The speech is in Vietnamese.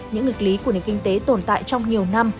những nghịch lý của nền kinh tế tồn tại trong nhiều năm